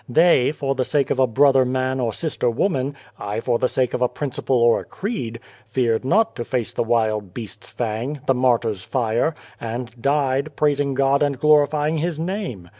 They, for the sake of a brother man or sister woman aye, for the sake of a principle or a creed feared not to face the wild beast's fang, the martyr's fire, and died, praising God and glorifying His name.